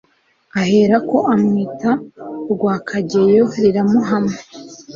ahera ko amwita Rwakageyo riramuhama.